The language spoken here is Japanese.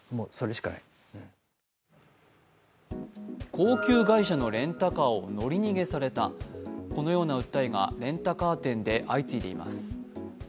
高級外車のレンタカーを乗り逃げされたこのような訴えがレンタカー店で相次いでいます。